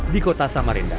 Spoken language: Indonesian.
di kota samarinda